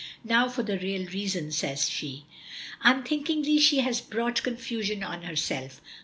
"Now for the real reason," says she. Unthinkingly she has brought confusion on herself.